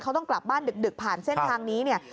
เขาต้องกลับบ้านดึกผ่านเส้นทางนี้เนี่ย